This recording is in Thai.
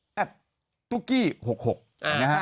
จังหรือเปล่าจังหรือเปล่า